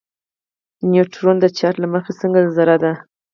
نیوټرون د چارچ له مخې څنګه ذره ده.